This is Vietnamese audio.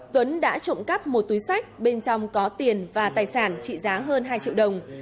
tuấn đã trộm cắp một túi sách bên trong có tiền và tài sản trị giá hơn hai triệu đồng